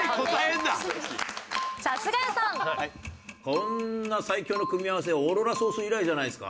「こんな最強の組み合わせオーロラソース以来じゃないですか？」